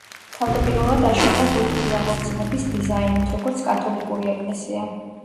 თავდაპირველად აშენდა გოთური აღორძინების დიზაინით, როგორც კათოლიკური ეკლესია.